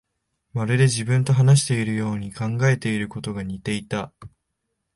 まるで自分と話しているように、考えていることが似ていた